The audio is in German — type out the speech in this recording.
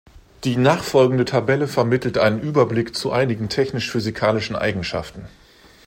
Die nachfolgende Tabelle vermittelt einen Überblick zu einigen technisch-physikalischen Eigenschaften.